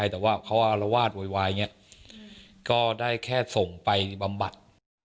แต่ว่าถ้าเอากรณี